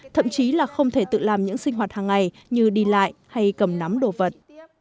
thậm chí là không thể tự làm những sinh hoạt hàng ngày như đi lại hay cầm nắm đồ vật